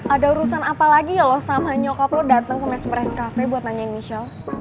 ada urusan apalagi ya lo sama nyokap lo datang ke mespress cafe buat nanya michelle